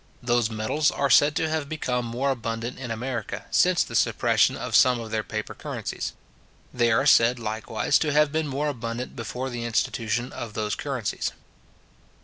Those metals are said to have become more abundant in America, since the suppression of some of their paper currencies. They are said, likewise, to have been more abundant before the institution of those currencies.